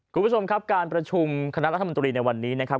คุณผู้ชมครับการประชุมคณะรัฐมนตรีในวันนี้นะครับ